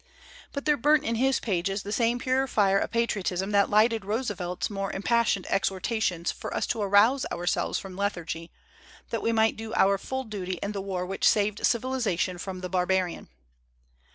But there burnt in his pages the same pure fire of patriotism that lighted Roose velt's more impassioned exhortations for us to arouse ourselves from lethargy, that we might do our full duty in the war which saved civiliza tion from the barbarian.